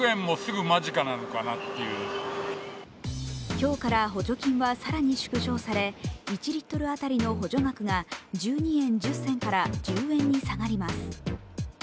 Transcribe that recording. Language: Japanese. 今日から補助金は更に縮小され１リットル当たりの補助額が１２円１０銭から１０円に下がります。